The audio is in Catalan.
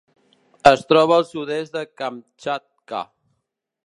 Es troba al sud-est de Kamtxatka.